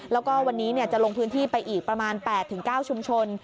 แล้วก็วันนี้จะลงพื้นที่ไปอีกประมาณ๘๙ชุมชน